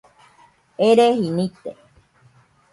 Ereji nite